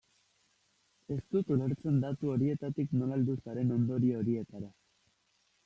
Ez dut ulertzen datu horietatik nola heldu zaren ondorio horietara.